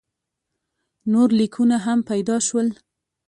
نور لیکونه هم پیدا شول.